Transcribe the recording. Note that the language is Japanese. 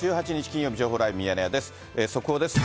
金曜日、情報ライブミヤネ屋です。